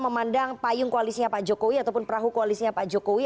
memandang payung koalisnya pak jokowi ataupun perahu koalisnya pak jokowi